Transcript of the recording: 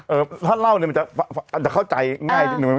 เออถ้าเล่าเนี่ยมันจะเข้าใจง่ายนิดนึง